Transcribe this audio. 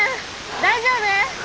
大丈夫？